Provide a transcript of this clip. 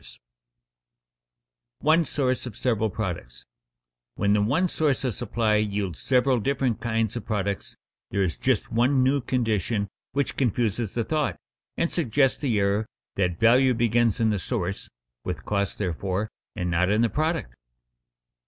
[Sidenote: One source of several products] When the one source of supply yields several different kinds of products there is just one new condition which confuses the thought and suggests the error that value begins in the source (with costs therefore) and not in the product.